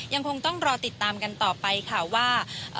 ยังคงต้องรอติดตามกันต่อไปค่ะว่า